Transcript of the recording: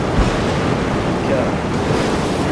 بیکە!